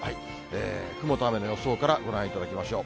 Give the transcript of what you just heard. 雲と雨の予想からご覧いただきましょう。